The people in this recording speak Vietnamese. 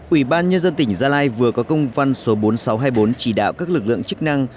ủy ban nhân dân tỉnh gia lai vừa có công văn số bốn nghìn sáu trăm hai mươi bốn chỉ đạo các lực lượng chức năng